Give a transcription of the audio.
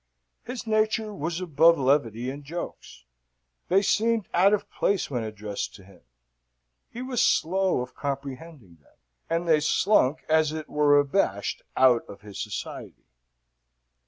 His nature was above levity and jokes: they seemed out of place when addressed to him. He was slow of comprehending them: and they slunk as it were abashed out of his society.